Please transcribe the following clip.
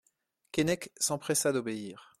Keinec s'empressa d'obéir.